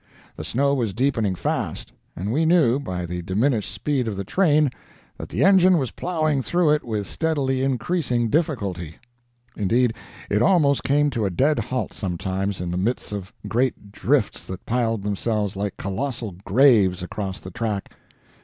The snow was deepening fast; and we knew, by the diminished speed of the train, that the engine was plowing through it with steadily increasing difficulty. Indeed, it almost came to a dead halt sometimes, in the midst of great drifts that piled themselves like colossal graves across the track.